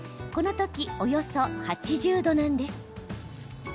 このとき、およそ８０度なんです。